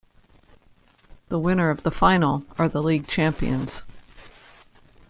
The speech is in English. The winner of the final are the league champions.